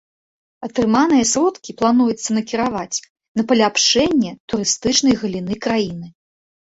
Атрыманыя сродкі плануецца накіраваць на паляпшэнне турыстычнай галіны краіны.